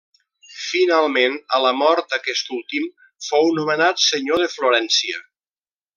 Finalment, a la mort d'aquest últim, fou nomenat senyor de Florència.